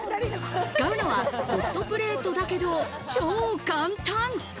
使うのはホットプレートだけど、超簡単。